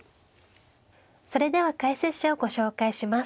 それでは解説者をご紹介します。